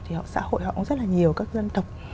thì họ xã hội họ cũng rất là nhiều các dân tộc